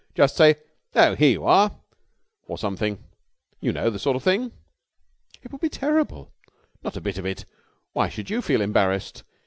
Just say: 'Oh, here you are!' or something. You know the sort of thing." "It will be terrible." "Not a bit of it. Why should you feel embarrassed?